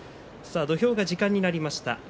土俵が時間になりました。